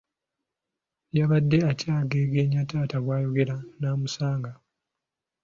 Yabadde akyageegenya taata bw'ayogera n'amusanga.